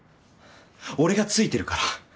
俺がついてるから